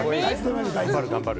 頑張る！